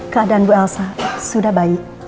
keadaan bu elsa sudah baik